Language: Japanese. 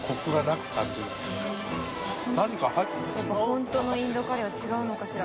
本当のインドカレーは違うのかしら？